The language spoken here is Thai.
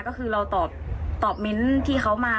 ก็คือเราตอบเน้นที่เขามา